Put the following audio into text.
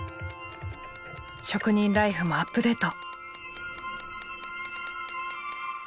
職人ライフもアップデート！